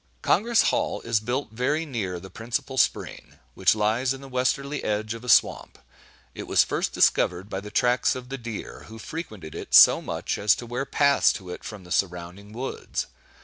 Congress Hall is built very near the principal Spring, which lies in the westerly edge of a swamp. It was first discovered by the tracks of the deer, who frequented it so much as to wear paths to it from the surrounding woods.